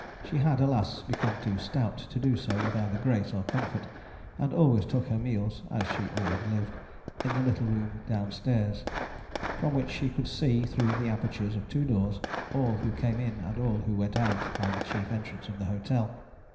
She had, alas, become too stout to do so with either grace or comfort, and always took her meals, as she always lived, in the little room downstairs, from which she could see, through the apertures of two doors, all who came in and all who went out by the chief entrance of the hotel.